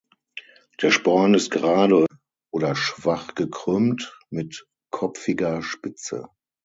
Der Sporn ist gerade oder schwach gekrümmt mit kopfiger Spitze.